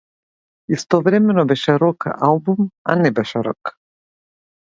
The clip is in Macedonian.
Истовремено беше рок-албум, а не беше рок.